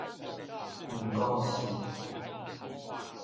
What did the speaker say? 毋講是